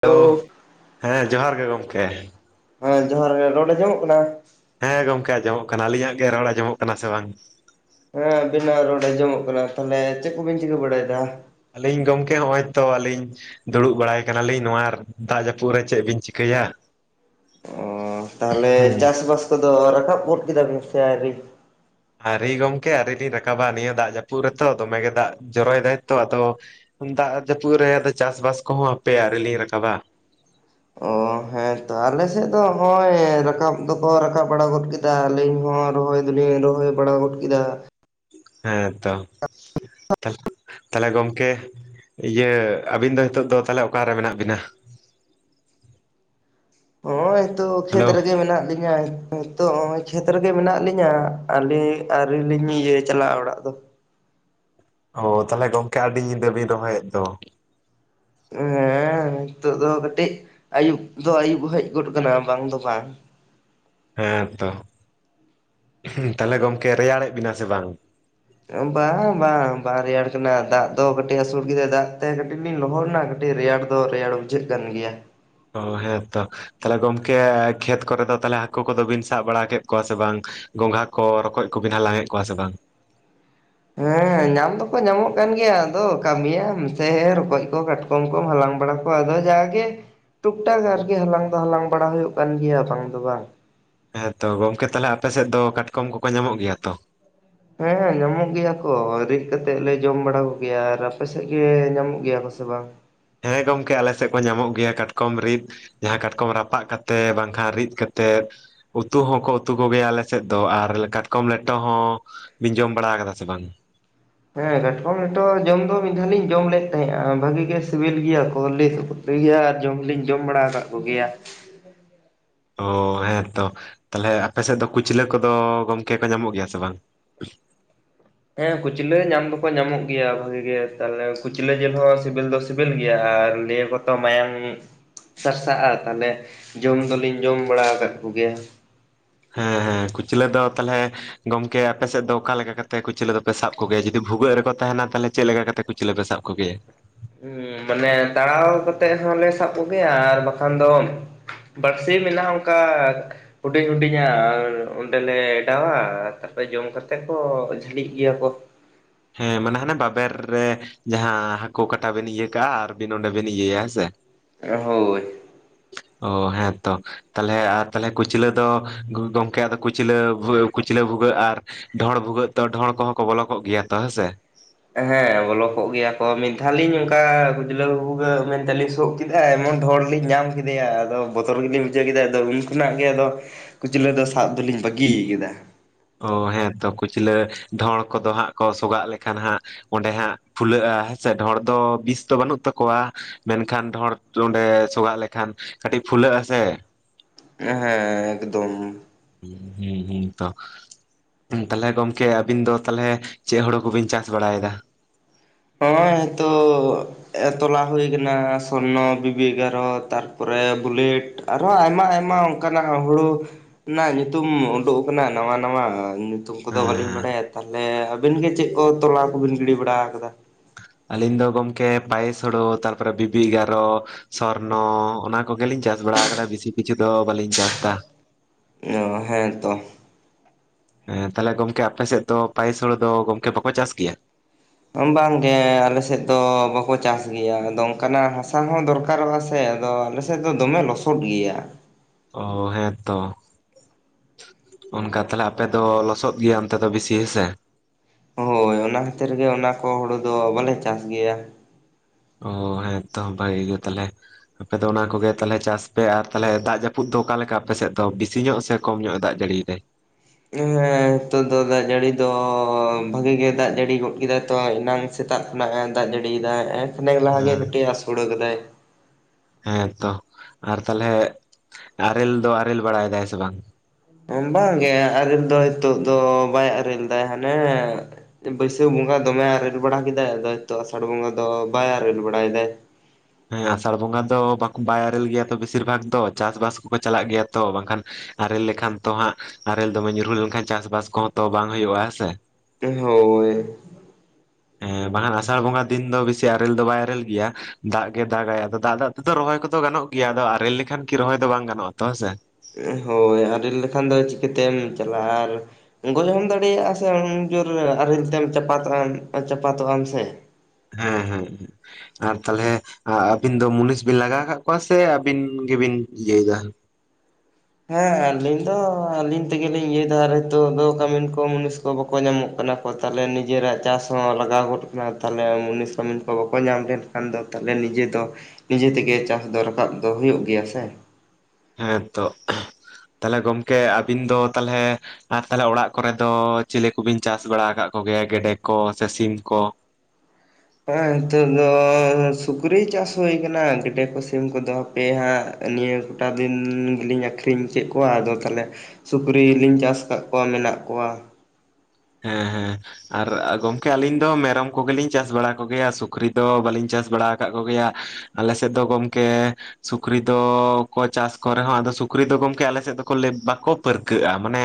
Hello ᱦᱮᱸ ᱡᱚᱦᱟᱨ ᱜᱮ ᱜᱚᱢᱠᱮ ᱦᱮᱸ ᱡᱚᱦᱟᱨ ᱜᱮ ᱱᱚᱰ ᱟᱧᱟᱢᱚᱜ ᱠᱟᱱᱟ ᱦᱮ ᱜᱚᱝᱠᱮ ᱟᱢᱚᱢᱟᱜ ᱠᱟᱱᱟ ᱾ ᱟᱞᱤᱧᱟᱜ ᱜᱮ ᱨᱚᱲ ᱟᱡᱚᱢᱚᱜ ᱠᱟᱱᱟ ᱥᱮ ᱵᱟᱝ? ᱦᱮ ᱟᱵᱤᱱᱟᱜ ᱨᱚᱲ ᱟᱡᱚᱢᱚᱜ ᱠᱟᱱᱟ᱾ ᱛᱟᱦᱚᱞᱮ ᱪᱮᱫ ᱠᱚ ᱵᱤᱱ ᱪᱤᱠᱟᱹ ᱵᱟᱲᱟᱭᱮᱫᱟ? ᱟᱞᱤᱧ ᱜᱚᱝᱠᱮ ᱱᱚᱜᱼᱚᱭ ᱛᱚ ᱟᱞᱤᱧ ᱫᱩᱲᱩᱵ ᱵᱟᱲᱟᱭ ᱠᱟᱱᱟ ᱞᱤᱧ ᱱᱚᱣᱟ ᱫᱟᱜ ᱡᱟᱯᱩᱫ ᱨᱮ ᱪᱮᱫ ᱵᱤᱱ ᱪᱤᱠᱟᱹᱭᱟ ᱚ ᱛᱟᱦᱚᱞᱮ ᱦᱩᱸ ᱪᱟᱥ ᱵᱟᱥ ᱠᱚ ᱫᱚ ᱨᱟᱠᱟᱵ ᱜᱚᱫ ᱠᱮᱫᱟ ᱵᱤᱱ ᱥᱮ ᱟᱣᱨᱤ? ᱟᱣᱨᱤ ᱜᱚᱢᱠᱮ ᱟᱹᱨᱤ ᱞᱤᱧ ᱨᱟᱠᱟᱵᱟ ᱱᱤᱭᱟᱹ ᱫᱟᱜ ᱡᱟᱯᱩᱫ ᱨᱮ ᱛᱚ ᱫᱚᱢᱮ ᱜᱮ ᱫᱟᱜ ᱡᱚᱨᱚᱭ ᱫᱟᱭ ᱛᱚ ᱟᱫᱚ - ᱫᱟᱜ ᱡᱟᱯᱩᱫ ᱨᱮ ᱟᱫᱚ ᱪᱟᱥ ᱵᱟᱥ ᱠᱚ ᱦᱚ ᱦᱟᱯᱮ ᱟᱣᱨᱤ ᱞᱤᱧ ᱨᱟᱠᱟᱵᱟ᱾ ᱚ ᱦᱮ - ᱦᱮ ᱛᱚ ᱟᱞᱮ ᱥᱮᱫ ᱫᱚ ᱱᱚᱜᱼᱚᱭ ᱨᱟᱠᱟᱵ ᱫᱚᱠᱚ ᱨᱟᱠᱟᱵ ᱵᱟᱲᱟ ᱜᱚᱫ ᱠᱮᱫᱟ ᱟᱞᱤᱧ ᱦᱚ ᱨᱚᱦᱚᱭ ᱫᱚᱞᱤᱧ ᱨᱚᱦᱚᱭ ᱵᱟᱲᱟ ᱜᱚᱫ ᱠᱮᱫᱟ ᱦᱮ ᱛᱚ ᱛᱟᱦ ᱛᱟᱦᱞᱮ ᱜᱚᱝᱠᱮ ᱤᱭᱟᱹ ᱟᱵᱤᱱ ᱫᱚ ᱱᱤᱛᱚᱜ ᱫᱚ ᱛᱟᱦᱚᱞᱮ ᱚᱠᱟᱨᱮ ᱢᱮᱱᱟᱜ ᱵᱤᱱᱟ? ᱱᱚᱜᱼᱚᱭ ᱱᱤᱛᱚᱜ ᱠᱷᱮᱛ ᱦᱮᱞᱳ ᱨᱮᱜᱮ ᱢᱮᱱᱟᱜ ᱞᱤᱧᱟ᱾ ᱦᱮᱛᱚᱜ ᱦᱚᱜᱼᱚᱭ ᱠᱷᱮᱛ ᱨᱮᱜᱮ ᱢᱮᱱᱟᱜ ᱞᱤᱧᱟ ᱟᱹᱴᱞᱤᱧ ᱟᱣᱨᱤ ᱞᱤᱧ ᱤᱭᱟᱹ ᱪᱟᱞᱟᱜᱼᱟ ᱚᱲᱟᱜ ᱫᱚ ᱚᱜ ᱛᱟᱦᱚᱞᱮ ᱜᱚᱝᱠᱮ ᱟᱰᱤ ᱧᱤᱫᱟᱹ ᱵᱤᱱ ᱨᱚᱦᱚᱭᱮᱫ ᱫᱚ ᱮᱜ ᱦᱮ ᱱᱤᱛᱚᱜ ᱫᱚ ᱠᱟᱴᱤᱡ ᱟᱭᱩᱵ ᱫᱚ ᱟᱭᱩᱵ ᱦᱮᱡ ᱜᱚᱫ ᱟᱠᱟᱱᱟ ᱵᱟᱝ ᱫᱚ ᱵᱟᱝ ᱦᱮ ᱛᱚ, ᱛᱟᱦᱚᱞᱮ ᱜᱚᱝᱠᱮ ᱨᱮᱭᱟᱲᱮᱫ ᱵᱮᱱᱟ ᱥᱮ ᱵᱟᱝ? ᱵᱟᱝ ᱵᱟᱝ ᱵᱟᱝ ᱨᱮᱭᱟᱲ ᱠᱟᱱᱟ ᱫᱟᱜ ᱫᱚ ᱠᱟᱴᱤᱡ ᱦᱟᱥᱩᱲ ᱠᱮᱫᱟᱭ ᱫᱟᱜ ᱛᱮ ᱠᱟᱴᱤᱡ ᱞᱤᱧ ᱞᱚᱦᱚᱫ ᱱᱟ ᱟᱰᱤ ᱨᱮᱭᱟᱲ ᱫᱚ ᱨᱮᱭᱟᱲ ᱵᱩᱡᱷᱟᱹᱜ ᱠᱟᱱ ᱜᱮᱭᱟ ᱚ ᱦᱮ ᱛᱚ ᱛᱟᱦᱞᱮ ᱜᱚᱢᱠᱮ ᱠᱷᱮᱛ ᱠᱚ ᱨᱮ ᱫᱚ ᱛᱟᱦᱚᱞᱮ ᱦᱟᱠᱩ ᱠᱚ ᱫᱚ ᱵᱤᱱ ᱥᱟᱵ ᱵᱟᱲᱟ ᱠᱮᱫ ᱠᱚᱣᱟ ᱥᱮ ᱵᱟᱝ? ᱜᱚᱸᱜᱷᱟ ᱠᱚ ᱨᱚᱠᱚᱡ ᱠᱚ ᱵᱤᱱ ᱦᱟᱞᱟᱝ ᱮᱫ ᱠᱚᱣᱟ ᱥᱮ ᱵᱟᱝ? ᱦᱮ ᱧᱟᱢ ᱫᱚ ᱠᱚ ᱧᱟᱢᱚᱜ ᱠᱟᱱ ᱜᱮᱭᱟ ᱟᱫᱚ ᱠᱟᱢᱤᱭᱟᱢ ᱥᱮ ᱨᱚᱠᱚᱡ ᱠᱚ ᱠᱟᱴ- ᱠᱚᱢ ᱠᱚ ᱦᱟᱞᱟᱝ ᱵᱟᱲᱟ ᱠᱚᱣᱟ ᱟᱫᱚ ᱡᱟᱜᱮ ᱴᱩᱠ ᱴᱟᱠ ᱟᱨᱠᱤ ᱦᱟᱞᱟᱝ ᱫᱚ ᱦᱟᱞᱟᱝ ᱵᱟᱲᱟ ᱦᱩᱭᱩᱜ ᱠᱟᱱ ᱜᱮᱭᱟ ᱵᱟᱝ ᱫᱚ ᱵᱟᱝ ᱦᱮ ᱛᱚ ᱜᱚᱝᱠᱮ ᱛᱟᱦᱚᱞᱮ ᱟᱯᱮ ᱥᱮᱫ ᱫᱚ ᱠᱟᱴᱠᱚᱢ ᱠᱚ ᱠᱚ ᱧᱟᱢᱚᱜ ᱜᱮᱭᱟ ᱛᱚ? ᱦᱮᱸ ᱧᱟᱢᱚᱜ ᱜᱮᱭᱟ ᱠᱚ ᱨᱤᱫ ᱠᱟᱛᱮᱜ ᱞᱮ ᱡᱚᱢ ᱵᱟᱲᱟ ᱠᱚ ᱜᱮᱭᱟ ᱟᱨ ᱟᱯᱮ ᱥᱮᱫ ᱜᱮ ᱧᱟᱢᱚᱜ ᱜᱮᱭᱟ ᱠᱚ ᱥᱮ ᱵᱟᱝ ᱦᱮᱸ ᱜᱚᱝᱠᱮ ᱟᱞᱮᱥᱮᱫ ᱠᱚ ᱧᱟᱢᱚᱜ ᱜᱮᱭᱟ ᱠᱟᱴᱠᱚᱢ ᱨᱤᱫ ᱡᱟᱦᱟᱸ ᱠᱟᱴᱠᱚᱢ ᱨᱟᱯᱟᱜ ᱠᱟᱛᱮᱜ ᱵᱟᱝ ᱠᱷᱟᱱ ᱨᱤᱫ ᱠᱟᱛᱮᱜ ᱩᱛᱩ ᱦᱚᱸ ᱠᱚ ᱩᱛᱩ ᱠᱚ ᱜᱮᱭᱟ ᱟᱞᱮ ᱥᱮᱫ ᱫᱚ ᱟᱨ ᱠᱟᱴᱠᱚᱢ ᱞᱮᱴᱚ ᱦᱚᱸ ᱵᱤᱱ ᱡᱚᱢ ᱵᱟᱲᱟ ᱟᱠᱟᱫᱟ ᱥᱮ ᱵᱟᱝ? ᱦᱮᱸ ᱠᱟᱴᱠᱚᱢ ᱞᱮᱴᱚ ᱡᱚᱢ ᱫᱚ ᱢᱤᱫ ᱫᱷᱟᱣ ᱞᱤᱧ ᱡᱚᱢ ᱞᱮᱫ ᱛᱟᱦᱮᱜᱼᱟ ᱵᱷᱟᱹᱜᱤ ᱜᱮ ᱥᱤᱵᱤᱞ ᱜᱮᱭᱟ ᱠᱚ ᱞᱟᱹᱭ ᱛᱚᱠᱚ ᱞᱟᱹᱭᱼᱟ ᱟᱨ ᱡᱚᱢ ᱦᱚᱞᱤᱧ ᱡᱚᱢ ᱵᱟᱲᱟ ᱟᱠᱟᱫ ᱠᱚ ᱜᱮᱭᱟ ᱚ ᱦᱮᱸ ᱛᱚ ᱛᱟᱦᱚᱞᱮ ᱟᱯᱮ ᱥᱮᱫ ᱫᱚ ᱠᱩᱪᱞᱟ ᱠᱚ ᱫᱚ ᱜᱚᱝᱠᱮ ᱠᱚ ᱧᱟᱢᱚᱜ ᱜᱮᱭᱟ ᱥᱮ ᱵᱟᱝ ᱦᱮᱸ ᱠᱩᱪᱞᱟᱹ ᱧᱟᱢ ᱫᱚ ᱠᱚ ᱧᱟᱢᱚᱜ ᱜᱮᱭᱟ ᱵᱷᱟᱹᱜᱤ ᱜᱮ ᱛᱟᱦᱞᱮ ᱠᱩᱪᱞᱟᱹ ᱡᱤᱞ ᱦᱚᱸ ᱥᱤᱵᱤᱞ ᱫᱚ ᱥᱤᱵᱤᱞ ᱜᱮᱭᱟ ᱟᱨ ᱞᱟᱹᱭ ᱟᱠᱚ ᱛᱚ ᱢᱟᱭᱟᱝ ᱥᱟᱨᱥᱟᱜᱼᱟ ᱛᱟᱦᱞᱮ ᱡᱚᱢ ᱫᱚ ᱞᱤᱧ ᱡᱚᱢ ᱵᱟᱲᱟ ᱟᱠᱟᱫ ᱠᱚ ᱜᱮᱭᱟ ᱾ ᱦᱮᱸ ᱦᱮᱸ ᱠᱩᱪᱞᱟᱹ ᱫᱚ ᱛᱟᱦᱚᱞᱮ ᱜᱚᱝᱠᱮ ᱟᱯᱮ ᱥᱮᱫ ᱫᱚ ᱚᱠᱟ ᱞᱮᱠᱟ ᱠᱟᱛᱮ ᱠᱩᱪᱞᱟᱹ ᱫᱚ ᱯᱮ ᱥᱟᱵ ᱠᱚ ᱜᱮᱭᱟ ᱡᱩᱫᱤ ᱵᱷᱩᱜᱟᱹᱜ ᱨᱮ ᱠᱚ ᱛᱟᱦᱮᱱᱟ ᱛᱟᱦᱞᱮ ᱪᱮᱫ ᱞᱮᱠᱟ ᱠᱟᱛᱮ ᱠᱩᱪᱼ ᱩᱪᱞᱟ. ᱯᱮ ᱥᱟᱵ ᱠᱚ ᱜᱮᱭᱟ ᱩᱦ ᱢᱟᱱᱮ ᱛᱟᱲᱟᱣ ᱠᱟᱛᱮᱜ ᱦᱚᱞᱮ ᱥᱟᱵ ᱠᱚ ᱜᱮᱭᱟ ᱟᱨ ᱵᱟᱠᱷᱟᱱ ᱫᱚ ᱵᱟᱲᱥᱤ ᱢᱮᱱᱟᱜᱼᱟ ᱚᱱᱠᱟ ᱦᱩᱰᱤᱧ ᱦᱩᱰᱤᱧᱟᱜ ᱟᱨ ᱚᱸᱰᱮᱞᱮ ᱮᱸᱰᱟᱣᱟ ᱛᱟᱨᱯᱚᱨᱮ ᱡᱚᱢ ᱠᱟᱛᱮ ᱠᱚ ᱡᱷᱟᱞᱤᱜ ᱜᱮᱭᱟ ᱠᱚ ᱦᱮᱸ ᱢᱟᱱᱮ ᱦᱟᱱᱮ ᱵᱟᱵᱮᱨ ᱨᱮ ᱡᱟᱦᱟᱸ ᱦᱟᱹᱠᱩ ᱠᱟᱴᱟ ᱵᱮᱱ ᱤᱭᱟᱹ ᱠᱟᱜᱼᱟ ᱟᱨ ᱵᱤᱱ ᱚᱸᱰᱮ ᱵᱮᱱ ᱤᱭᱟᱹᱭᱟ ᱦᱮᱸᱥᱮ ᱦᱳᱭ ᱚ ᱦᱮᱸ ᱛᱚ ᱛᱟᱦᱞᱮ ᱟᱨ ᱛᱟᱦᱞᱮ ᱠᱩᱪᱞᱟᱹ ᱫᱚ ᱜᱩ ᱜᱚᱝᱠᱮ ᱟᱫᱚ ᱠᱩᱪᱞᱟᱹ ᱠᱩᱪᱞᱟᱹ ᱵᱷᱩᱜᱟᱹᱜ ᱟᱨ ᱰᱷᱚᱲ ᱵᱷᱩᱜᱟᱹᱜ ᱛᱚ ᱰᱷᱚᱲ ᱠᱚᱦᱚᱸ ᱠᱚ ᱵᱚᱞᱚ ᱠᱚᱜ ᱜᱮᱭᱟ ᱛᱚ ᱦᱮᱸᱥᱮ ᱦᱮᱸ ᱵᱚᱞᱚ ᱠᱚᱜ ᱜᱮᱭᱟ ᱠᱚ ᱢᱤᱫ ᱫᱷᱟᱣ ᱞᱤᱧ ᱚᱱᱠᱟ ᱜᱩᱡᱽᱞᱟᱹ ᱵᱷᱩᱜᱟᱜ ᱢᱮᱱᱛᱮ ᱞᱤᱧ ᱥᱳᱜ ᱠᱮᱫᱟ ᱮᱢᱚᱱ ᱰᱷᱚᱲ ᱞᱤᱧ ᱧᱟᱢ ᱠᱮᱫᱮᱭᱟ ᱟᱫᱚ ᱵᱚᱛᱚᱨ ᱜᱮᱞᱤᱧ ᱵᱩᱡᱷᱟᱹᱣ ᱠᱮᱫᱟ ᱟᱫᱚ ᱩᱱ ᱠᱷᱚᱱᱟᱜ ᱜᱮ ᱟᱫᱚ ᱠᱩᱪᱞᱟᱹ ᱫᱚ ᱥᱟᱵ ᱫᱚ ᱞᱤᱧ ᱵᱟᱜᱤᱭ ᱠᱮᱫᱟ ᱚ ᱦᱮᱸᱛᱚ ᱠᱩᱪᱞᱟᱹ ᱰᱷᱚᱲ ᱠᱚᱫᱚ ᱦᱟᱸᱜ ᱠᱚ ᱥᱚᱜᱟᱜ ᱞᱮᱠᱷᱟᱱ ᱦᱟᱸᱜ ᱚᱸᱰᱮ ᱦᱟᱸᱜ ᱯᱷᱩᱞᱟᱹᱜᱼᱟ ᱦᱮᱸᱥᱮ ᱰᱷᱚᱸᱲ ᱫᱚ ᱵᱤᱥ ᱫᱚ ᱵᱟᱹᱱᱩᱜ ᱛᱟᱠᱚᱣᱟ ᱢᱮᱱᱠᱷᱟᱱ ᱰᱷᱚᱸᱲ ᱚᱸᱰᱮ ᱥᱚᱜᱟᱜ ᱞᱮᱠᱷᱟᱱ ᱠᱟᱹᱴᱤᱡ ᱯᱷᱩᱞᱟᱹᱜ ᱟᱥᱮ ᱦᱮᱸ ᱮᱠᱫᱚᱢ ᱦᱩᱸ ᱦᱩᱸ ᱛᱚ ᱛᱟᱦᱚᱞᱮ ᱜᱚᱝᱠᱮ ᱟᱹᱵᱤᱱ ᱫᱚ ᱛᱟᱦᱞᱮ ᱪᱮᱫ ᱦᱩᱲᱩ ᱠᱚᱵᱤᱱ ᱪᱟᱥ ᱵᱟᱲᱟᱭᱮᱫᱟ ᱦᱚᱸᱜᱼᱚᱭ ᱱᱤᱛᱳᱜ ᱛᱚᱞᱟ ᱦᱩᱭ ᱠᱟᱱᱟ ᱥᱚᱨᱱᱚ ᱵᱤᱵᱤ ᱮᱜᱟᱨᱚ ᱛᱟᱨᱯᱚᱨᱮ ᱵᱩᱞᱮᱴ ᱟᱨᱦᱚᱸ ᱟᱭᱢᱟ ᱟᱭᱢᱟ ᱚᱱᱠᱟᱱᱟᱜ ᱦᱩᱲᱩ ᱚᱱᱟ ᱧᱩᱛᱩᱢ ᱩᱰᱩᱜ ᱟᱠᱟᱱᱟ ᱱᱟᱣᱟ ᱱᱟᱣᱟ ᱧᱩᱛᱩᱢ ᱠᱚᱫᱚ ᱵᱟᱹᱞᱤᱧ ᱦᱮᱸ ᱵᱟᱲᱟᱭᱟ ᱛᱟᱦᱚᱞᱮ ᱟᱵᱤᱱ ᱜᱮ ᱪᱮᱫ ᱠᱚ ᱛᱚᱞᱟ ᱠᱚᱵᱤᱱ ᱜᱤᱲᱤ ᱵᱟᱲᱟᱣ ᱠᱟᱫᱟ ᱟᱹᱞᱤᱧ ᱫᱚ ᱜᱚᱝᱠᱮ ᱯᱟᱭᱮᱥ ᱦᱩᱲᱩ ᱛᱟᱨᱯᱚᱨᱮ ᱵᱤᱵᱤ ᱮᱜᱟᱨᱚ ᱥᱚᱨᱱᱚ ᱚᱱᱟ ᱠᱚᱜᱮᱞᱤᱧ ᱪᱟᱥ ᱵᱟᱲᱟᱣ ᱟᱠᱟᱫᱟ ᱵᱮᱥᱤ ᱠᱤᱪᱷᱩ ᱫᱚ ᱵᱟᱹᱞᱤᱧ ᱪᱟᱥ ᱫᱟ ᱚ ᱦᱮᱸ ᱛᱚ ᱦᱮᱸ ᱛᱟᱦᱞᱮ ᱜᱚᱝᱠᱮ ᱟᱯᱮᱥᱮᱫ ᱫᱚ ᱯᱟᱭᱮᱥ ᱦᱩᱲᱩ ᱫᱚ ᱜᱚᱝᱠᱮ ᱵᱟᱠᱚ ᱪᱟᱥ ᱜᱮᱭᱟ ᱵᱟᱝᱜᱮ ᱟᱞᱮ ᱥᱮᱫ ᱫᱚ ᱵᱟᱠᱚ ᱪᱟᱥ ᱜᱮᱭᱟ ᱟᱫᱚ ᱚᱱᱠᱟᱱᱟᱜ ᱦᱟᱥᱟ ᱦᱚᱸ ᱫᱚᱨᱠᱟᱨᱚᱜᱼᱟ ᱥᱮ ᱟᱫᱚ ᱟᱞᱮ ᱥᱮ ᱥᱮᱫ ᱫᱚ ᱫᱚᱢᱮ ᱞᱚᱥᱚᱫ ᱜᱮᱭᱟ ᱚ ᱦᱮᱸᱛᱚ ᱚᱱᱠᱟ ᱛᱟᱦᱚᱞᱮ ᱟᱯᱮ ᱫᱚ ᱞᱚᱥᱚᱫ ᱜᱮᱭᱟ ᱚᱱᱛᱮ ᱫᱚ ᱵᱤᱥᱤ ᱦᱮᱸᱥᱮ ᱦᱳᱭ ᱚᱱᱟ ᱠᱷᱟᱹᱛᱤᱨ ᱜᱮ ᱚᱱᱟ ᱠᱚ ᱦᱩᱲᱩ ᱫᱚ ᱵᱟᱞᱮ ᱪᱟᱥ ᱜᱮᱭᱟ ᱚ ᱦᱮᱸᱛᱚ ᱵᱷᱟᱹᱜᱤ‌ ᱜᱮ ᱛᱟᱦᱚᱞᱮ ᱟᱯᱮ ᱫᱚ ᱚᱱᱟ ᱠᱚᱜᱮ ᱛᱟᱦᱚᱞᱮ ᱪᱟᱥ ᱯᱮ ᱟᱨ ᱛᱟᱦᱚᱞᱮ ᱫᱟᱜ ᱡᱟᱹᱯᱩᱫ ᱫᱚ ᱚᱠᱟᱞᱮᱠᱟ ᱟᱯᱮᱥᱮᱫ ᱫᱚ ᱵᱤᱥᱤ ᱧᱚᱜ ᱥᱮ ᱠᱚᱢ ᱧᱚᱜᱼᱮ ᱫᱟᱜ ᱡᱟᱹᱲᱤᱭᱮᱫᱟᱭ ᱦᱮᱸ ᱱᱤᱛᱚᱜ ᱫᱚ ᱫᱟᱜ ᱡᱟᱹᱲᱤ ᱫᱚ ᱵᱷᱟᱹᱜᱤ ᱜᱮ ᱫᱟᱜ ᱡᱟᱹᱲᱤ ᱜᱚᱫ ᱠᱮᱫᱟᱭ ᱛᱚ ᱮᱱᱟᱝ ᱥᱮᱛᱟᱜ ᱠᱷᱚᱱᱟᱜ ᱮ ᱫᱟᱜ ᱡᱟᱹᱲᱤᱭᱮᱫᱟᱭ ᱮᱸ ᱠᱷᱚᱱᱮᱠ ᱞᱟᱦᱟ ᱜᱮ ᱦᱮᱸ ᱠᱟᱹᱴᱤᱡᱮ ᱟᱥᱩᱲ ᱟᱠᱟᱫᱟᱭ ᱦᱮᱸ ᱛᱚ ᱟᱨ ᱛᱟᱦᱞᱮ ᱟᱨᱮᱞ ᱫᱚ ᱟᱨᱮᱞ ᱵᱟᱲᱟᱭ ᱫᱟᱭ ᱥᱮ ᱵᱟᱝ᱾ ᱵᱟᱝᱜᱮ ᱟᱨᱮᱞ ᱫᱚ ᱱᱤᱛᱚᱜ ᱫᱚ ᱵᱟᱭ ᱟᱨᱮᱞ ᱫᱟᱭ ᱦᱟᱱᱮ᱾ ᱵᱟᱹᱭᱥᱟᱹᱠᱷ ᱵᱚᱸᱜᱟ ᱫᱚᱢᱮ ᱟᱨᱮᱞ ᱵᱟᱲᱟ ᱠᱮᱫᱟᱭ ᱟᱫᱚ ᱱᱤᱛᱳᱜ ᱟᱥᱟᱲ ᱵᱚᱸᱜᱟ ᱫᱚ ᱵᱟᱭ ᱟᱨᱮᱞ ᱵᱟᱲᱟᱭᱮᱫᱟ᱾ ᱦᱮᱸ ᱟᱥᱟᱲ ᱵᱚᱸᱜᱟ ᱫᱚ ᱵᱟᱭ ᱟᱨᱮᱞ ᱜᱮᱭᱟ ᱛᱚ ᱵᱮᱥᱤᱨ ᱵᱷᱟᱜᱽ ᱫᱚ ᱪᱟᱥᱵᱟᱥ ᱠᱚᱠᱚ ᱪᱟᱞᱟᱜ ᱜᱮᱭᱟ ᱛᱚ ᱵᱟᱝ ᱠᱷᱟᱱ ᱟᱨᱮᱞ ᱞᱮᱠᱷᱟᱱ ᱛᱚ ᱦᱟᱸᱜ ᱟᱨᱮᱞ ᱫᱚᱢᱮ ᱧᱩᱨᱦᱩ ᱞᱮᱱᱠᱷᱟᱱ ᱪᱟᱥᱵᱟᱥ ᱠᱚᱦᱚᱸ ᱛᱚ ᱵᱟᱝ ᱦᱩᱭᱩᱜᱼᱟ ᱦᱮᱸᱥᱮ᱾ ᱦᱳᱭ ᱦᱳᱭ ᱦᱮᱸ ᱵᱟᱝᱠᱷᱟᱱ ᱟᱥᱟᱲ ᱵᱚᱸᱜᱟ ᱫᱤᱱ ᱫᱚ ᱵᱮᱥᱤ ᱟᱨᱮᱞ ᱫᱚ ᱵᱟᱭ ᱟᱨᱮᱞ ᱜᱮᱭᱟ᱾ ᱫᱟᱜ ᱜᱮ ᱫᱟᱜᱟᱭ ᱟᱫᱚ ᱫᱟᱜ ᱫᱟᱜ ᱛᱮᱫᱚ ᱨᱚᱦᱚᱭ ᱠᱚᱫᱚ ᱜᱟᱱᱚᱜ ᱜᱮᱭᱟ ᱟᱫᱚ ᱟᱨᱮᱞ ᱞᱮᱠᱷᱟᱱ ᱠᱤ ᱨᱚᱦᱚᱭ ᱫᱚ ᱵᱟᱝ ᱜᱟᱱᱚᱜᱼᱟ ᱛᱚ ᱦᱮᱸᱥᱮ᱾ ᱦᱳᱭ ᱟᱨᱮᱞ ᱞᱮᱠᱷᱟᱱ ᱫᱚ ᱪᱤᱠᱟᱹᱛᱮᱢ ᱪᱟᱞᱟᱜᱼᱟ ᱟᱨ ᱜᱚᱡ ᱦᱚᱸᱢ ᱫᱟᱲᱮᱭᱟᱜᱼᱟ ᱥᱮ ᱩᱱ ᱡᱳᱨ ᱟᱨᱮᱞ ᱛᱮᱢ ᱪᱟᱯᱟᱫᱚᱜᱼᱟ ᱪᱟᱯᱟᱫᱚᱜ ᱟᱢ ᱥᱮ ᱦᱮᱸ ᱦᱮᱸ ᱦᱮᱸ ᱟᱨ ᱛᱟᱦᱚᱞᱮ ᱟᱹᱵᱤᱱ ᱫᱚ ᱢᱩᱱᱤᱥ ᱵᱤᱱ ᱞᱟᱜᱟᱣ ᱠᱟᱜ ᱠᱚᱣᱟ ᱥᱮ ᱟᱹᱵᱤᱱ ᱜᱮᱵᱤᱱ ᱤᱭᱟᱹ᱾ᱭᱮᱫᱟ ᱦᱮᱸ ᱟᱹᱞᱤᱧ ᱫᱚ ᱟᱹᱞᱤᱧ ᱛᱮᱜᱮᱞᱤᱧ ᱤᱭᱟᱹᱭᱮᱫᱟ ᱟᱨ ᱱᱤᱛᱚᱜ ᱫᱚ ᱠᱟᱢᱤᱱ ᱠᱚ ᱢᱩᱱᱤᱥ ᱠᱚ ᱵᱟᱠᱚ ᱧᱟᱢᱚᱜ ᱠᱟᱱᱟ ᱠᱚ ᱛᱟᱦᱚᱞᱮ ᱱᱤᱡᱮᱨᱟᱜ ᱪᱟᱥ ᱦᱚᱸ ᱞᱟᱜᱟᱣ ᱜᱚᱫ ᱠᱟᱱᱟ ᱛᱟᱦᱚᱞᱮ ᱢᱩᱱᱤᱥ ᱠᱟᱢᱤᱱ ᱠᱚ ᱵᱟᱠᱚ ᱧᱟᱢ ᱞᱮᱱ᱾ ᱠᱷᱟᱱ ᱫᱚ ᱛᱟᱦᱚᱞᱮ ᱱᱤᱡᱮ ᱫᱚ ᱱᱤᱡᱮ ᱛᱮᱜᱮ ᱪᱟᱥ ᱫᱚ ᱨᱟᱠᱟᱵ ᱫᱚ ᱦᱩᱭᱩᱜ ᱜᱮᱭᱟ ᱥᱮ ᱦᱮᱸ ᱛᱚ ᱛᱟᱦᱚᱞᱮ ᱜᱚᱝᱠᱮ ᱟᱵᱤᱱ ᱫᱚ ᱛᱟᱦᱚᱞᱮ ᱟᱨ ᱛᱟᱦᱚᱞᱮ ᱚᱲᱟᱜ ᱠᱚᱨᱮ ᱫᱚ ᱪᱤᱞᱤ ᱠᱚᱵᱤᱱ ᱪᱟᱥ ᱵᱟᱲᱟᱣ ᱠᱟᱫ ᱠᱚᱜᱮᱭᱟ ᱜᱮᱰᱮ ᱠᱚ ᱥᱮ ᱥᱤᱢ ᱠᱚ ᱦᱮᱸ ᱱᱤᱛᱚᱜ ᱫᱚ ᱥᱩᱠᱨᱤ ᱪᱟᱥ ᱦᱩᱭ ᱠᱟᱱᱟ ᱜᱮᱰᱮ ᱠᱚ ᱥᱤᱢ ᱠᱚᱫᱚ ᱦᱟᱯᱮ ᱦᱟᱸᱜ ᱱᱤᱭᱟᱹ ᱠᱚᱴᱟ ᱫᱤᱱ ᱜᱮᱞᱤᱧ ᱟᱠᱷᱨᱤᱧ ᱠᱮᱫ ᱠᱚᱣᱟ ᱟᱫᱚ ᱛᱟᱦᱚᱞᱮ᱾ ᱥᱩᱠᱨᱤ ᱞᱤᱧ ᱪᱟᱥ ᱟᱠᱟᱫ ᱠᱚᱣᱟ ᱢᱮᱱᱟᱜ ᱠᱚᱣᱟ᱾ ᱦᱮᱸ ᱦᱮᱸ ᱟᱨ ᱜᱚᱝᱠᱮ ᱟᱹᱞᱤᱧ ᱫᱚ ᱢᱮᱨᱚᱢ ᱠᱚᱜᱮᱞᱤᱧ ᱪᱟᱥ ᱵᱟᱲᱟ ᱠᱚᱜᱮᱭᱟ ᱥᱩᱠᱨᱤ ᱫᱚ ᱵᱟᱹᱞᱤᱧ ᱪᱟᱥ ᱵᱟᱲᱟᱣ ᱠᱟᱫ ᱠᱚᱜᱮᱭᱟ ᱟᱞᱮ ᱥᱮᱫ ᱫᱚ ᱜᱚᱝᱠᱮ ᱥᱩᱠᱨᱤ ᱫᱚᱠᱚ ᱪᱟᱥ ᱠᱚ ᱨᱮᱦᱚᱸ ᱟᱫᱚ ᱥᱩᱠᱨᱤ ᱫᱚ ᱜᱚᱢᱠᱮ ᱟᱞᱮ ᱥᱮᱫ ᱫᱚ ᱵᱟᱠᱚ ᱯᱟᱹᱨᱠᱟᱹᱜᱼᱟ ᱢᱟᱱᱮ᱾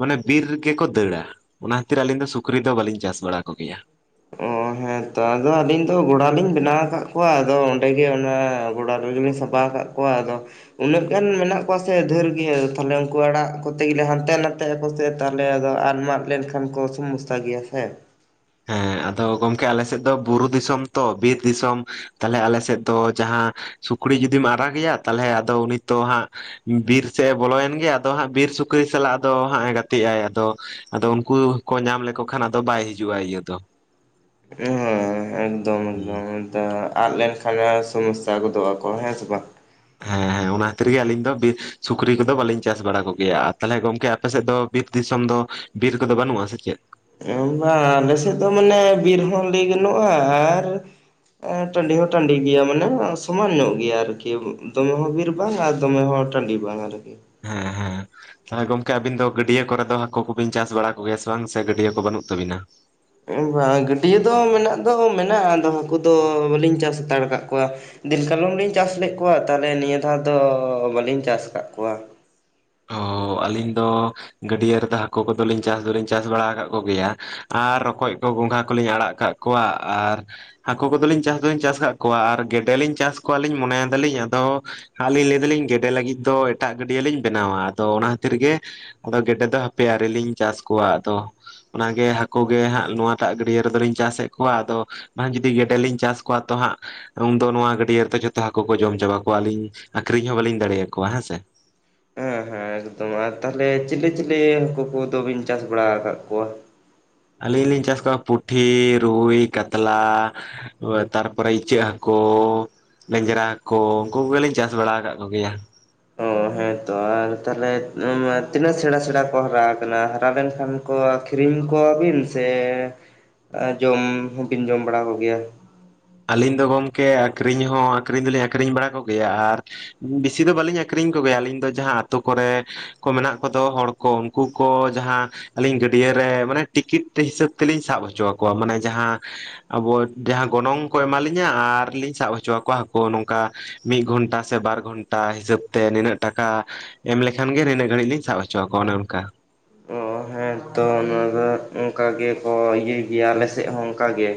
ᱢᱟᱱᱮ ᱵᱤᱨ ᱨᱮᱜᱮᱠᱚ ᱫᱟᱹᱲᱟ ᱚᱱᱟ ᱠᱷᱛᱤᱨ ᱟᱹᱞᱤᱧ ᱫᱚ ᱥᱩᱠᱨᱤ ᱫᱚ ᱵᱟᱹᱞᱤᱧ ᱪᱟᱥ ᱵᱟᱲᱟ ᱠᱚᱜᱮᱭᱟ᱾ ᱚ ᱦᱮ ᱛᱚ ᱟᱫᱚ ᱟᱹᱞᱤᱧ ᱫᱚ ᱜᱚᱲᱟᱞᱤᱧ ᱵᱮᱱᱟᱣ ᱟᱠᱟᱫ ᱠᱚᱣᱟ ᱟᱫᱚ ᱚᱸᱰᱮ ᱜᱮ ᱚᱱᱟ ᱜᱚᱲᱟ ᱨᱮᱜᱮᱞᱤᱧ ᱥᱟ ᱵᱟ ᱠᱟᱜ ᱠᱚᱣᱟ ᱟᱫᱚ ᱩᱱᱟᱹᱜ ᱜᱟᱱ ᱢᱮᱱᱟᱜ ᱠᱚᱣᱟ ᱥᱮ ᱫᱷᱮᱨ ᱜᱮ ᱛᱟᱦᱞᱮ ᱩᱱᱠᱩ ᱟᱲᱟᱜ ᱠᱚᱛᱮ ᱜᱮᱞᱮ ᱦᱟᱱᱛᱮ ᱱᱟᱛᱮ ᱟᱠᱚ ᱥᱮ ᱛᱟᱦᱚᱞᱮ ᱟᱫᱚ ᱟᱫ ᱢᱟᱜ ᱞᱮᱱᱠᱷᱟᱱ ᱠᱚ ᱥᱚᱢᱚᱥᱥᱟ ᱜᱮᱭᱟ ᱥᱮ ᱦᱮ ᱟᱫᱚ ᱜᱚᱝᱠᱮ ᱟᱞᱮ ᱥᱮᱫ ᱫᱚ ᱵᱩᱨᱩ ᱫᱤᱥᱚᱢ ᱛᱚ ᱵᱤᱨ ᱫᱤᱥᱚᱢ ᱛᱟᱦᱚᱞᱮ ᱟᱞᱮ ᱥᱮᱫ ᱫᱚ ᱡᱟᱦᱟ ᱥᱩᱠᱨᱤ ᱡᱩᱫᱤᱢ ᱟᱨᱟᱜᱮᱭᱟ ᱛᱟᱦᱚᱞᱮ ᱟᱫᱚ ᱩᱱᱤ ᱛᱚ ᱦᱟᱜ ᱵᱤᱨ ᱥᱮᱫ ᱮ ᱵᱚᱞᱚᱭᱮᱱ ᱜᱮ ᱟᱫᱚ ᱦᱟᱜ ᱵᱤᱨ ᱥᱩᱠᱨᱤ ᱥᱟᱞᱟᱜ ᱟᱫᱚ ᱦᱟᱜ ᱮ ᱜᱟᱛᱮ ᱟᱭ ᱟᱫᱚ᱾ ᱟᱫᱚ ᱩᱱᱠᱩ ᱠᱚ ᱧᱟᱢ ᱞᱮᱠᱚ ᱠᱷᱟᱱ ᱟᱫᱚ ᱵᱟᱭ ᱦᱤᱡᱩᱜᱼᱟ ᱤᱭᱟᱹ ᱫᱚ ᱚ ᱮᱠᱫᱚᱢ ᱦᱩᱸ ᱮᱠᱫᱚᱢ ᱛᱚ ᱟᱫ ᱞᱮᱱᱠᱷᱟᱱ ᱥᱚᱢᱚᱥᱥᱟ ᱜᱚᱫᱚᱜ ᱟᱠᱚ ᱦᱮ ᱥᱮ ᱵᱟᱝ᱾ ᱦᱮ ᱦᱮ ᱚᱱᱟ ᱠᱷᱟᱹᱛᱤᱨ ᱜᱮ ᱟᱹᱞᱤᱧ ᱫᱚ ᱵᱤᱨ ᱥᱩᱠᱨᱤ ᱠᱚᱫᱚ ᱵᱟᱹᱞᱤᱧ ᱪᱟᱥ ᱵᱟᱲᱟ ᱠᱚᱜᱮᱭᱟ ᱟᱨ ᱛᱟᱦᱞᱮ ᱜᱚᱝᱠᱮ ᱟᱯᱮᱥᱮᱫ ᱫᱚ ᱵᱤᱨ ᱫᱤᱥᱚᱢ ᱫᱚ ᱵᱤᱨ ᱠᱚᱫᱚ ᱵᱟᱹᱱᱩᱜ ᱟ ᱥᱮᱪᱮᱜ ᱚ ᱵᱟ ᱟᱞᱮ ᱥᱮᱫ ᱫᱚ ᱢᱟᱱᱮ ᱵᱤᱨ ᱦᱚ ᱞᱟᱹᱭ ᱜᱟᱱᱚᱜᱼᱟ ᱟᱨ ᱟ ᱴᱟᱰᱤ ᱦᱚ ᱴᱟᱰᱤ ᱜᱮᱭᱟ ᱢᱟᱱᱮ ᱥᱚᱢᱟᱱ ᱧᱚᱜ ᱜᱮᱭᱟ ᱟᱨᱠᱤ ᱫᱚᱢᱮ ᱦᱚ ᱵᱤᱨ ᱵᱟᱝ ᱟᱨ ᱫᱚᱢᱮ ᱦᱚᱲ ᱴᱟᱰᱤ ᱵᱟᱝ ᱟᱨᱠᱤ ᱦᱮᱸ ᱦᱮᱸ ᱛᱟᱦᱚᱞᱮ ᱜᱚᱝᱠᱮ ᱟᱵᱤᱱ ᱫᱚ ᱜᱟᱹᱰᱭᱟᱹ ᱠᱚᱨᱮ ᱫᱚ ᱦᱟᱠᱩ ᱠᱚᱵᱤᱱ ᱪᱟᱥ ᱵᱟᱲᱟ ᱠᱚᱜᱮᱭᱟ ᱥᱮ ᱵᱟᱝ ᱥᱮ ᱜᱟᱹᱰᱭᱟᱹ ᱠᱚ ᱵᱟᱹᱱᱩᱜ ᱛᱟᱹᱵᱤᱱᱟ ᱵᱟᱝ ᱜᱟᱹᱰᱭᱟᱹ ᱫᱚ ᱢᱮᱱᱟᱜ ᱫᱚ ᱢᱮᱱᱟᱜᱼᱟ ᱟᱫᱚ ᱦᱟᱹᱠᱩ ᱫᱚ ᱵᱟᱹᱞᱤᱧ ᱪᱟᱥ ᱦᱟᱛᱟᱲ ᱠᱟᱫ ᱠᱚᱣᱟ ᱫᱤᱱ ᱠᱟᱞᱚᱢ ᱞᱤᱧ ᱪᱟᱥ ᱞᱮᱫ ᱠᱚᱣᱟ ᱛᱟᱦᱞᱮ ᱱᱤᱭᱟᱹ ᱫᱷᱟᱣ ᱫᱚ ᱵᱟᱹᱞᱤᱧ ᱪᱟᱥ ᱠᱟᱫ ᱠᱚᱣᱟ ᱚᱻ ᱟᱹᱞᱤᱧ ᱫᱚ ᱜᱟᱹᱰᱭᱟᱹ ᱨᱮᱫᱚ ᱦᱟᱠᱩ ᱠᱚᱫᱚ ᱞᱤᱧ ᱪᱟᱥ ᱫᱚᱞᱤᱧ ᱪᱟᱥ ᱵᱟᱲᱟ ᱟᱠᱟᱫ ᱠᱚᱜᱮᱭᱟ ᱟᱨ ᱨᱚᱠᱚᱡ ᱠᱚ ᱜᱚᱸᱜᱷᱟ ᱠᱚᱞᱤᱧ ᱟᱲᱟᱜ ᱠᱟᱜ ᱠᱚᱣᱟ ᱟᱨ ᱦᱟᱹᱠᱩ ᱠᱚᱫᱚᱞᱤᱧ ᱪᱟᱥ ᱫᱚᱞᱤᱧ ᱪᱟᱥ ᱟᱠᱟᱫ ᱠᱚᱣᱟ ᱟᱨ ᱜᱮᱰᱮ ᱞᱤᱧ ᱪᱟᱥ ᱠᱚᱣᱟ ᱞᱤᱧ ᱢᱚᱱᱮ ᱭᱮᱫᱟᱞᱤᱧ ᱟᱫᱚ ᱟᱨᱞᱤᱧ ᱞᱟᱹᱭ ᱫᱟᱞᱤᱧ ᱜᱮᱰᱮ ᱞᱟᱹᱜᱤᱫ ᱫᱚ ᱮᱴᱟᱜ ᱜᱟᱹᱰᱭᱟᱹ ᱞᱤᱧ ᱵᱮᱱᱟᱣᱟ ᱟᱫᱚ ᱚᱱᱟ ᱠᱷᱟᱹᱛᱤᱨ ᱜᱮ ᱟᱫᱚ ᱜᱮᱰᱮ ᱫᱚ ᱦᱟᱯᱮ ᱟᱣᱨᱤ ᱞᱤᱧ ᱪᱟᱥ ᱠᱚᱣᱟ ᱟᱫᱚ ᱚᱱᱟᱜᱮ ᱦᱟᱹᱠᱩ ᱜᱮ ᱦᱟᱸᱜ ᱱᱚᱣᱟᱴᱟᱜ ᱜᱟᱹᱰᱭᱟᱹ ᱨᱮᱫᱚᱞᱤᱧ ᱪᱟᱥᱮᱫ ᱠᱚᱣᱟ ᱟᱫᱚ ᱢᱟ ᱡᱩᱫᱤ ᱜᱮᱰᱮ ᱞᱤᱧ ᱪᱟᱥ ᱠᱚᱣᱟ ᱛᱚ ᱦᱟᱸᱜ ᱩᱱᱫᱚ ᱱᱚᱣᱟ ᱜᱟᱹᱰᱭᱟᱹ ᱨᱮ ᱛᱚ ᱡᱷᱚᱛᱚ ᱦᱟᱹᱠᱩ ᱠᱚ ᱡᱚᱢ ᱪᱟᱵᱟ ᱠᱚᱣᱟ ᱟᱹᱞᱤᱧ ᱟᱠᱷᱨᱤᱧ ᱦᱚᱸ ᱵᱟᱹᱞᱤᱧ ᱫᱟᱲᱮᱭᱟ ᱠᱚᱣᱟ ᱦᱮᱸᱥᱮ ᱦᱮᱸ ᱦᱮᱸ ᱮᱠᱫᱚᱢ ᱟᱨ ᱛᱟᱦᱚᱞᱮ ᱪᱤᱞᱤ ᱪᱤᱞᱤ ᱦᱟᱹᱠᱩ ᱠᱚᱫᱚ ᱵᱤᱱ ᱪᱟᱥ ᱵᱟᱲᱟ ᱟᱠᱟᱫ ᱠᱚᱣᱟ᱾ ᱟᱹᱞᱤᱧ ᱞᱤᱧ ᱪᱟᱥ ᱠᱚᱣᱟ ᱯᱩᱴᱷᱤ ᱨᱩᱭ ᱠᱟᱛᱞᱟ ᱛᱟᱨ ᱯᱚᱨᱮ ᱤᱪᱟᱹᱜ ᱦᱟᱹᱠᱩ ᱞᱮᱧᱡᱨᱟ ᱠᱳ ᱩᱱᱠᱩ ᱠᱚᱜᱮᱞᱤᱧ ᱪᱟᱥ ᱵᱟᱲᱟ ᱟᱠᱟᱫ ᱠᱚᱜᱮᱭᱟ᱾ ᱦᱮᱸ ᱛᱚ ᱟᱨ ᱛᱟᱦᱚᱞᱮ ᱛᱤᱱᱟᱹᱜ ᱥᱮᱬᱟ ᱥᱮᱬᱟ ᱠᱚ ᱦᱟᱨᱟ ᱟᱠᱟᱱᱟ ᱦᱟᱨᱟ ᱞᱮᱱᱠᱷᱟᱱ ᱠᱚ ᱟᱹᱠᱷᱨᱤᱧ ᱠᱚᱣᱟ ᱵᱤᱱ ᱥᱮ ᱡᱚᱢ ᱦᱚᱸᱵᱤᱱ ᱡᱚᱢ ᱵᱟᱲᱟ ᱠᱚᱜᱮᱭᱟ ᱟᱹᱞᱤᱧ ᱫᱚ ᱜᱚᱝᱠᱮ ᱟᱹᱠᱷᱨᱤᱧ ᱦᱚᱸ ᱟᱹᱠᱷᱨᱤᱧ ᱫᱚᱞᱤᱧ ᱟᱠᱷᱨᱤᱧ ᱵᱟᱲᱟ ᱠᱚᱜᱮᱭᱟ ᱟᱨ ᱵᱮᱥᱤ ᱫᱚ ᱵᱟᱹᱞᱤᱧ ᱟᱠᱷᱨᱤᱧ ᱠᱚᱜᱮᱭᱟ ᱟᱹᱞᱤᱧ ᱫᱚ ᱡᱟᱦᱟᱸ ᱟᱛᱳ ᱠᱚᱨᱮ ᱠᱚ ᱢᱮᱱᱟᱜ ᱠᱚᱫᱚ ᱦᱚᱲ ᱠᱚ ᱩᱱᱠᱩ ᱠᱚ ᱡᱟᱦᱟᱸ ᱟᱹᱞᱤᱧ ᱜᱟᱹᱰᱭᱟᱹ ᱨᱮ ᱢᱟᱱᱮ ᱴᱤᱠᱤᱴ ᱦᱤᱥᱟᱹᱵ ᱛᱮᱞᱤᱧ ᱥᱟᱵ ᱦᱚᱪᱚ ᱟᱠᱚᱣᱟ ᱢᱟᱱᱮ ᱡᱟᱦᱟᱸ ᱟᱵᱚ ᱡᱟᱦᱟᱸ ᱜᱚᱱᱚᱝ ᱠᱚ ᱮᱢᱟᱞᱤᱧᱟ ᱟᱨ ᱞᱤᱧ ᱥᱟᱵ ᱦᱚᱪᱚ ᱟᱠᱚᱣᱟ ᱦᱟᱹᱠᱩ ᱱᱚᱝᱠᱟ ᱢᱤᱫ ᱜᱷᱚᱱᱴᱟ ᱥᱮ ᱵᱟᱨ ᱜᱷᱚᱱᱴᱟ ᱦᱤᱥᱟᱹᱵ ᱛᱮ ᱱᱤᱱᱟᱹᱜ ᱴᱟᱠᱟ ᱮᱢ ᱞᱮᱠᱷᱟᱱ ᱜᱮ ᱱᱤᱱᱟᱹᱜ ᱜᱷᱟᱹᱲᱤᱡ ᱞᱤᱧ ᱥᱟᱵ ᱦᱚᱪᱚ ᱟᱠᱚᱣᱟ ᱚᱱᱮ ᱚᱱᱠᱟ ᱚ ᱦᱮᱸ ᱛᱚ ᱚᱱᱟ ᱫᱚ ᱚᱱᱠᱟ ᱜᱮᱠᱚ ᱤᱭᱟᱹᱭ ᱜᱮᱭᱟ ᱟᱞᱮ ᱥᱮᱫ ᱦᱚᱸ ᱚᱱᱠᱟᱜ ᱜᱮ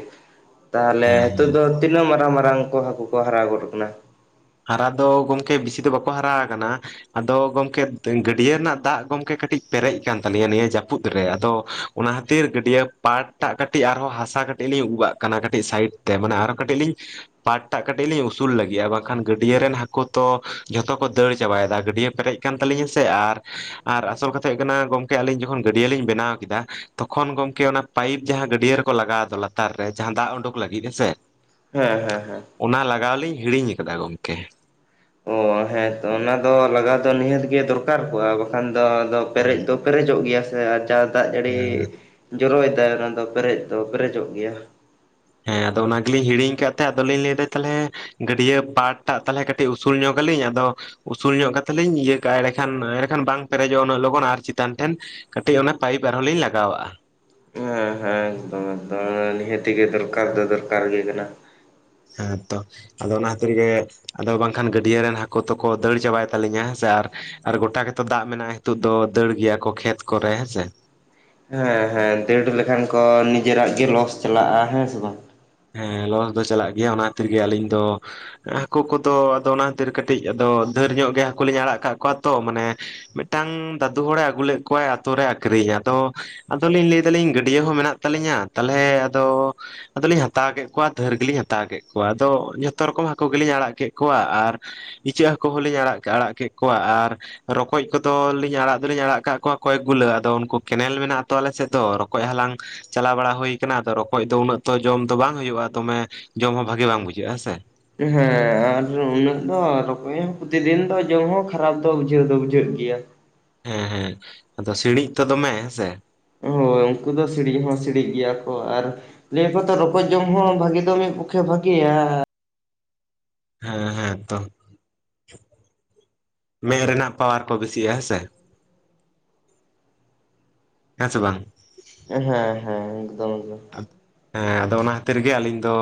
ᱛᱟᱦᱚᱞᱮ ᱦᱮᱸ ᱱᱤᱛᱚᱜ ᱫᱚ ᱛᱤᱱᱟᱹᱜ ᱢᱟᱨᱟᱝ ᱢᱟᱨᱟᱝ ᱠᱚ ᱦᱟᱹᱠᱩ ᱠᱚ ᱦᱟᱨᱟ ᱜᱚᱫ ᱟᱠᱟᱱᱟ᱾ ᱦᱟᱨᱟ ᱫᱚ ᱜᱚᱝᱠᱮ ᱵᱮᱥᱤ ᱫᱚ ᱵᱟᱠᱚ ᱦᱟᱨᱟ ᱟᱠᱟᱱᱟ ᱟᱫᱚ ᱜᱚᱢᱠᱮ ᱜᱟᱹᱰᱭᱟᱹ ᱨᱮᱱᱟᱜ ᱫᱟᱜ ᱜᱚᱢᱠᱮ ᱠᱟᱹᱴᱤᱡ ᱯᱮᱨᱮᱡ ᱠᱟᱱ ᱛᱟᱞᱤᱧᱟ ᱱᱤᱭᱟᱹ ᱡᱟᱹᱯᱩᱫ ᱨᱮ ᱟᱫᱚ ᱚᱱᱟ ᱠᱷᱟᱹᱛᱤᱨ ᱜᱟᱹᱰᱭᱟᱹ ᱯᱟᱴ ᱴᱟᱜ ᱠᱟᱹᱴᱤᱡ ᱟᱨᱦᱚᱸ ᱦᱟᱥᱟ ᱠᱟᱹᱴᱤᱡ ᱞᱤᱧ ᱩᱵᱟᱜ ᱠᱟᱱᱟ ᱠᱟᱹᱴᱤᱡ ᱥᱟᱭᱤᱰ ᱛᱮ ᱢᱟᱱᱮ ᱟᱨᱦᱚᱸ ᱠᱟᱹᱴᱤᱡ ᱞᱤᱧ ᱯᱟᱴ ᱴᱟᱜ ᱠᱟᱹᱴᱤᱡ ᱞᱤᱧ ᱩᱥᱩᱞ ᱞᱟᱹᱜᱤᱫᱼᱟ ᱵᱟᱝ ᱠᱷᱟᱱ ᱜᱟᱹᱰᱭᱟᱹ ᱨᱮᱱ ᱦᱟᱹᱠᱩ ᱛᱚ ᱡᱷᱚᱛᱚ ᱠᱚ ᱫᱟᱹᱲ ᱪᱟᱵᱟᱭ ᱮᱫᱟ ᱜᱟᱹᱰᱭᱟᱹ ᱯᱮᱨᱮᱡ ᱟᱠᱱ ᱛᱟᱞᱤᱧᱟ ᱥᱮ ᱟᱨ ᱟᱨ ᱟᱥᱚᱞ ᱠᱟᱛᱷᱟ ᱦᱩᱭᱩᱜ ᱠᱟᱱᱟ ᱜᱚᱝᱠᱮ ᱟᱞᱤᱧ ᱡᱚᱠᱷᱚᱱ ᱜᱟᱹᱰᱭᱟᱹ ᱞᱤᱧ ᱵᱮᱱᱟᱣ ᱠᱮᱫᱟ ᱛᱚᱠᱷᱚᱱ ᱜᱚᱢᱠᱮ ᱚᱱᱟ ᱯᱟᱭᱤᱯ ᱡᱟᱦᱟᱸ ᱜᱟᱹᱰᱭᱟᱹ ᱨᱮᱠᱚ ᱞᱟᱜᱟᱣ ᱞᱟᱛᱟᱨ ᱨᱮ ᱡᱟᱸ ᱫᱟᱜ ᱩᱰᱩᱠ ᱞᱟᱹᱜᱤᱫ ᱦᱮᱸᱥᱮ ᱦᱮᱸ ᱦᱮᱸ ᱦᱮᱸ ᱚᱱᱟ ᱞᱟᱜᱟᱣ ᱞᱤᱧ ᱦᱤᱲᱤᱧ ᱟᱠᱟᱫᱟ ᱜᱚᱢᱠᱮ ᱚ ᱦᱮᱸ ᱟ ᱚᱱᱟ ᱫᱚ ᱞᱟᱜᱟᱣ ᱫᱚ ᱱᱤᱦᱟᱹᱛ ᱜᱮ ᱫᱚᱨᱠᱟᱨ ᱠᱚᱜᱼᱟ ᱵᱟᱠᱷᱟᱱ ᱫᱚ ᱟᱫᱚ ᱯᱮᱨᱮᱡ ᱫᱚ ᱯᱮᱨᱮᱡᱚᱜ ᱜᱮᱭᱟ ᱥᱮ ᱡᱟ ᱫᱟᱜ ᱡᱟᱹᱲᱤ ᱦᱮᱸ ᱡᱚᱨᱚᱭᱮᱫᱟᱭ ᱚᱱᱟ ᱫᱚ ᱯᱮᱨᱮᱡ ᱫᱚ ᱯᱮᱨᱮᱡᱚᱜ ᱜᱮᱭᱟ ᱦᱮᱸ ᱟᱫᱚ ᱚᱱᱟᱜᱮ ᱞᱤᱧ ᱦᱤᱲᱤᱧ ᱟᱠᱟᱫ ᱛᱟᱦᱮᱸ ᱟᱫᱚᱞᱤᱧ ᱞᱟᱹᱭ ᱮᱫᱟ ᱛᱟᱦᱚᱞᱮ ᱜᱟᱹᱰᱭᱟᱹ ᱯᱟᱴ ᱴᱟᱜ ᱛᱟᱦᱚᱞᱮ ᱠᱟᱹᱴᱤᱡ ᱩᱥᱩᱞ ᱧᱚᱜ ᱟᱹᱞᱤᱧ ᱟᱫᱚ ᱩᱥᱩᱞ ᱧᱚᱜ ᱠᱟ ᱠᱟᱛᱮᱫ ᱞᱤᱧ ᱤᱭᱟᱹ ᱠᱟᱜᱼᱟ ᱮᱸᱰᱮᱠᱷᱟᱱ ᱮᱸᱰᱮᱠᱷᱟᱱ ᱵᱟᱝ ᱯᱮᱨᱮᱡᱚᱜᱼᱟ ᱩᱱᱟᱹᱜ ᱞᱚᱜᱚᱱ ᱟᱨ ᱪᱮᱛᱟᱱ ᱴᱷᱮᱱ ᱠᱟᱹᱴᱤᱡ ᱚᱱᱟ ᱯᱟᱭᱤᱯ ᱟᱨᱦᱚᱸ ᱞᱤᱧ ᱞᱟᱜᱟᱣᱟᱜᱼᱟ ᱦᱮᱸ ᱦᱮᱸ ᱮᱠᱫᱚᱢ ᱮᱠᱫᱚᱢ ᱱᱤᱦᱟᱹᱛ ᱜᱮ ᱫᱚᱨᱠᱟᱨ ᱫᱚ ᱫᱚᱨᱠᱟᱨ ᱜᱮ ᱠᱟᱱᱟ ᱦᱮᱸ ᱛᱚ ᱟᱫᱚ ᱚᱱᱟ ᱠᱷᱟᱹᱛᱤᱨ ᱜᱮ ᱟᱫᱚ ᱵᱟᱝᱠᱷᱟᱱ ᱜᱟᱹᱰᱭᱟᱹ ᱨᱮᱱ ᱦᱟᱹᱠᱩ ᱫᱚᱠᱚ ᱫᱟᱹᱲ ᱪᱟᱵᱟᱭ ᱛᱟᱞᱤᱧᱟ ᱦᱮᱸ ᱥᱮ ᱟᱨ ᱟᱨ ᱜᱚᱴᱟ ᱜᱮᱛᱚ ᱫᱟᱜ ᱢᱮᱱᱟᱜᱼᱟ ᱱᱤᱛᱚᱜ ᱫᱚ ᱫᱟᱹᱲ ᱜᱮᱭᱟ ᱠᱚ ᱠᱷᱮᱛ ᱠᱚᱨᱮ ᱦᱮᱸᱥᱮ ᱦᱮᱸ ᱦᱮᱸ ᱫᱟᱹᱲ ᱞᱮᱠᱷᱟᱱ ᱠᱚ ᱱᱤᱡᱮᱨᱟᱜ ᱜᱮ ᱞᱚᱥ ᱪᱟᱞᱟᱜᱼᱟ ᱦᱮᱸ ᱥᱮ ᱵᱟᱝ ᱦᱮᱸ ᱞᱚᱥ ᱫᱚ ᱪᱟᱞᱟᱜ ᱜᱮᱭᱟ ᱚᱱᱟ ᱠᱷᱟᱹᱛᱤᱨ ᱜᱮ ᱟᱹᱞᱤᱧ ᱫᱚ ᱦᱟᱹᱠᱩ ᱠᱚᱫᱚ ᱟᱫᱚ ᱚᱱᱟ ᱠᱷᱟᱹᱛᱤᱨ ᱠᱟᱹᱴᱤᱡ ᱟᱫᱚ ᱰᱷᱮᱨ ᱧᱚᱜ ᱜᱮ ᱦᱟᱹᱠᱩ ᱞᱤᱧ ᱟᱲᱟᱜ ᱠᱟᱜ ᱠᱚᱣᱟ ᱛᱚ ᱢᱟᱱᱮ ᱢᱤᱫᱴᱟᱝ ᱫᱟᱫᱩ ᱦᱚᱲᱮ ᱟᱹᱜᱩ ᱞᱮᱫ ᱠᱚᱣᱟᱭ ᱟᱛᱳ ᱨᱮ ᱟᱠᱷᱨᱤᱧ ᱟᱫᱚ ᱟᱫᱚᱞᱤᱧ ᱞᱟᱹᱭ ᱫᱟᱞᱤᱧ ᱜᱟᱹᱰᱭᱟᱹ ᱦᱚᱸ ᱢᱮᱱᱟᱜ ᱛᱟᱞᱤᱧᱟ ᱛᱟᱦᱚᱞᱮ ᱟᱫᱚ ᱟᱫᱟᱞᱤᱞ ᱦᱟᱛᱟᱣ ᱠᱮᱫ ᱠᱚᱣᱟ ᱫᱷᱟᱹᱨ ᱜᱮᱞᱤᱧ ᱦᱟᱛᱟᱣ ᱠᱮᱫ ᱠᱚᱣᱟ᱾ ᱟᱫᱚ ᱡᱷᱚᱛᱚ ᱨᱚᱠᱚᱢ ᱦᱟᱹᱠᱩ ᱜᱮᱞᱤᱧ ᱟᱲᱟᱜ ᱠᱮᱫ ᱠᱚᱣᱟ ᱟᱨ ᱤᱪᱟᱹᱜ ᱦᱟᱹᱠᱩ ᱦᱚᱞᱤᱧ ᱟᱲᱟᱜ ᱟᱲᱟᱜ ᱠᱮᱫ ᱠᱚᱣᱟ ᱟᱨ ᱨᱚᱠᱚᱡ ᱠᱚᱫᱚ ᱞᱤᱧ ᱟᱲᱟᱜ ᱫᱚᱞᱤᱧ ᱟᱲᱟᱜ ᱠᱟᱜ ᱠᱚᱣᱟ ᱠᱚᱭᱮᱠ ᱜᱩᱞᱟᱹ ᱟᱫᱚ ᱩᱱᱠᱩ ᱠᱮᱱᱮᱞ ᱢᱮᱱᱟᱜ ᱟ ᱛᱚ ᱟᱞᱮ ᱥᱮᱫ ᱫᱚ ᱨᱚᱠᱚᱡ ᱦᱟᱞᱟᱝ ᱪᱟᱞᱟᱣ ᱵᱟᱲᱟ ᱦᱩᱭ ᱠᱟᱱᱟ ᱨᱚᱠᱚᱡ ᱫᱚ ᱩᱱᱟᱹᱜ ᱛᱚ ᱡᱚᱢ ᱫᱚ ᱵᱟᱝ ᱦᱩᱭᱩᱜᱼᱟ ᱫᱚᱢᱮ ᱡᱚᱢ ᱦᱚᱸ ᱵᱷᱟᱜᱤ ᱵᱟᱝ ᱵᱩᱡᱷᱟᱹᱜᱼᱟ ᱦᱮᱸᱥᱮ ᱦᱮᱸ ᱟᱨ ᱩᱱᱟᱹᱜ ᱫᱚ ᱨᱚᱠᱚᱡ ᱦᱚᱸ ᱯᱨᱚᱛᱤᱫᱤᱱ ᱫᱚ ᱡᱚᱢ ᱦᱚᱸ ᱠᱷᱟᱨᱟᱯ ᱫᱚ ᱵᱩᱡᱷᱟᱹᱣ ᱫᱚ ᱵᱩᱡᱷᱟᱹᱜ ᱜᱮᱭᱟ᱾ ᱦᱮᱸ ᱦᱮᱸ ᱟᱫᱚ ᱥᱤᱲᱤᱡ ᱛ ᱫᱚᱢᱮ ᱦᱮᱸᱥᱮ ᱦᱳᱭ ᱩᱱᱠᱩ ᱫᱚ ᱥᱤᱬᱤᱡ ᱦᱚᱸ ᱥᱤᱬᱤᱡ ᱜᱮᱭᱟ ᱠᱚ ᱟᱨ ᱞᱟᱹᱭ ᱟᱠᱚ ᱛᱚ ᱨᱚᱠᱚᱡᱽ ᱡᱚᱢ ᱦᱚᱸ ᱵᱷᱟᱹᱜᱤ ᱫᱚ ᱢᱤᱫ ᱯᱚᱠᱠᱷᱮ ᱵᱷᱟᱹᱜᱮᱭᱟ ᱦᱮᱸ ᱦᱮᱸ ᱛᱚ ᱢᱮᱸᱫ ᱨᱮᱱᱟᱜ ᱯᱟᱣᱟᱨ ᱠᱚ ᱵᱮᱥᱤᱜᱼᱟ ᱦᱮᱸ ᱥᱮ ᱦᱮᱸ ᱥᱮ ᱵᱟᱝ ᱦᱮᱸ ᱦᱮᱸ ᱮᱠᱫᱚᱢ ᱜᱮ ᱦᱮᱸ ᱟᱫᱚ ᱚᱱᱟ ᱠᱷᱟᱹᱛᱤᱨ ᱜᱮ ᱟᱹᱞᱤᱧ ᱫᱚ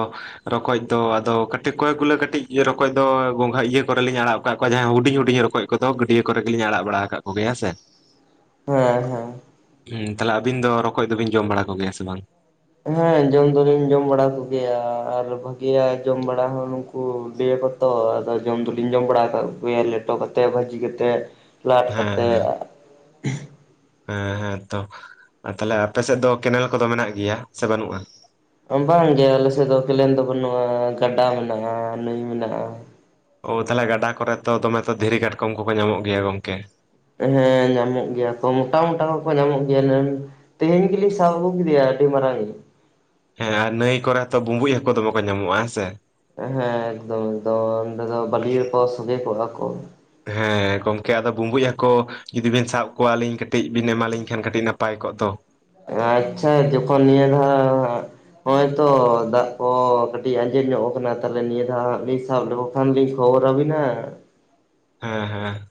ᱨᱚᱠᱚᱡᱽ ᱫᱚ ᱟᱫᱚ ᱠᱟᱹᱴᱤᱡᱽ ᱠᱚᱭᱮ ᱜᱩᱞᱟᱹ ᱠᱟᱹᱴᱤᱡᱽ ᱨᱚᱠᱚᱡᱽ ᱫᱚ ᱜᱚᱝᱜᱷᱟ ᱤᱭᱟᱹ ᱠᱚᱨᱮ ᱞᱤᱧ ᱟᱲᱟᱜ ᱠᱟᱫ ᱠᱚᱣᱟ ᱡᱟᱦᱟᱸᱭ ᱦᱩᱰᱤᱧ ᱦᱩᱰᱤᱧ ᱨᱠᱚᱡᱽ ᱠᱚᱫᱚ ᱜᱟᱹᱰᱭᱟᱹ ᱠᱚᱨᱮ ᱜᱮᱞᱤᱧ ᱟᱲᱟᱜ ᱵᱟᱲᱟ ᱟᱠᱟᱫ ᱠᱚᱜᱮᱭᱟ ᱦᱮᱸ ᱥᱮ ᱦᱮᱸ ᱦᱮᱸ ᱦᱩ ᱛᱟᱦᱚᱞᱮ ᱟᱵᱤᱱ ᱫᱚ ᱨᱚᱠᱚᱡᱽ ᱫᱚᱵᱤᱱ ᱡᱚᱢ ᱵᱟᱲᱟ ᱠᱚᱜᱮᱭᱟ ᱥᱮ ᱵᱟᱝ? ᱦᱮᱸ ᱡᱚᱢ ᱫᱚᱞᱤᱧ ᱡᱚᱢ ᱵᱟᱲᱟ ᱠᱚᱜᱮᱭᱟ ᱟᱨ ᱵᱷᱟᱹᱜᱤᱭᱟ ᱡᱚᱢ ᱵᱟᱲᱟ ᱦᱚᱸ ᱱᱚ ᱠᱚ ᱞᱟᱹᱭ ᱟᱠᱚ ᱛᱚ ᱟᱫᱚ ᱡᱚᱢ ᱫᱚᱞᱤᱧ ᱡᱚᱢ ᱵᱟᱲᱟ ᱟᱠᱟᱫ ᱠᱚᱜᱮᱭᱟ ᱞᱮᱴᱚ ᱠᱟᱛᱮᱫ ᱵᱷᱟᱹᱡᱤ ᱠᱟᱛᱮᱫ᱾ ᱞᱟᱫ ᱦᱮᱸ ᱠᱟᱛᱮᱫ ᱮᱸ ᱦᱮᱸ ᱦᱮᱸ ᱛᱚ ᱛᱟᱦᱞᱮ ᱟᱯᱮᱥᱮᱫ ᱫᱚ ᱠᱮᱱᱮᱞ ᱠᱚᱫᱚ ᱢᱮᱱᱟᱜ ᱜᱮᱭᱟ ᱥᱮ ᱵᱟᱹᱱᱩᱜᱼᱟ᱾ ᱵᱟᱝ ᱜᱮ ᱟᱞᱮ ᱥᱮᱫ ᱫᱚ ᱠᱮᱱᱮᱱ ᱫᱚ ᱵᱟᱹᱱᱩᱜᱼᱟ ᱜᱟᱰᱟ ᱢᱮᱱᱟᱜᱼᱟ ᱱᱟᱹᱭ ᱢᱮᱱᱟᱜᱼᱟ᱾ ᱚ ᱛᱟᱦᱚᱞᱮ ᱜᱟᱰᱟ ᱠᱚᱨᱮ ᱫᱚ ᱫᱚᱢᱮ ᱛᱚ ᱫᱷᱤᱨᱤ ᱠᱟᱴᱠᱚᱢ ᱠᱚᱠᱚ ᱧᱟᱢᱚᱜ ᱜᱮᱭᱟ ᱜᱚᱝᱠᱮ ᱦᱮᱸ ᱧᱟᱢᱚᱜ ᱜᱮᱭᱟ ᱠᱚ ᱢᱚᱴᱟ ᱢᱚᱴᱟ ᱠᱚᱠᱚ ᱧᱟᱢᱚᱜ ᱜᱮᱭᱟ ᱱᱟᱝ ᱛᱮᱦᱮᱧ ᱜᱮᱞᱤᱧ ᱥᱟᱵ ᱟᱹᱜᱩ ᱠᱮᱫᱮᱭᱟ ᱟᱹᱰᱤ ᱢᱟᱨᱟᱝ ᱤᱡᱽ ᱦᱮᱸ ᱟᱨ ᱱᱟᱹᱭ ᱠᱚᱨᱮ ᱛᱚ ᱵᱩᱸᱵᱩᱡᱽ ᱦᱟᱹᱠᱩ ᱫᱚᱢᱮ ᱠᱚ ᱧᱟᱢᱚᱜᱼᱟ ᱦᱮᱸ ᱥᱮ ᱦᱮᱸ ᱮᱠᱫᱚᱢ ᱮᱠᱫᱚᱢ ᱚᱸᱰᱮ ᱫᱚ ᱵᱟᱹᱞᱤ ᱨᱮᱠᱚ ᱥᱚᱜᱮ ᱠᱚᱜᱼᱟ ᱠᱚ ᱦᱮᱸ ᱜᱚᱝᱠᱮ ᱟᱫᱚ ᱵᱩᱢᱵᱩᱡᱽ ᱦᱟᱹᱠᱩ ᱡᱩᱫᱤ ᱵᱤᱱ ᱥᱟᱵᱽ ᱠᱚᱣᱟᱞᱤᱧ ᱠᱟᱹᱴᱤᱡᱽ ᱵᱤᱱ ᱮᱢᱟᱞᱤᱧ ᱠᱷᱟᱱ ᱠᱟᱹᱴᱤᱡᱽ ᱱᱟᱯᱟᱭ ᱠᱚᱜ ᱫᱚ ᱟᱪᱪᱷᱟ ᱡᱚᱠᱷᱚᱱ ᱱᱤᱭᱟᱹ ᱫᱷᱚᱣ ᱦᱚᱭᱛᱚ ᱫᱟᱜᱽ ᱠᱚ ᱠᱟᱹᱴᱤᱡᱽ ᱟᱸᱡᱮᱫ ᱧᱚᱜ ᱟᱠᱟᱱᱟ ᱛᱟᱦᱚᱞᱮ ᱱᱤᱭᱟᱹ ᱫᱷᱟᱣ ᱦᱟᱸᱜ ᱥᱟᱵᱽ ᱞᱮᱠᱚ ᱛᱚᱠᱷᱚᱱ ᱞᱤᱧ ᱠᱷᱚᱵᱚᱨᱟᱵᱤᱱᱟ᱾ ᱦᱮᱸ ᱦᱮᱸ